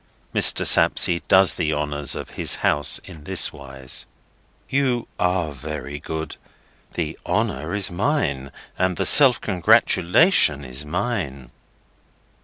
Mr. Sapsea does the honours of his house in this wise. "You are very good. The honour is mine and the self congratulation is mine."